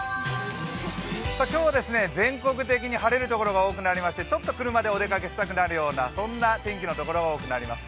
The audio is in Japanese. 今日は全国的に晴れる所が多くなりましてちょっと車でお出かけしたくなるようなそんな天気のところが多くなります。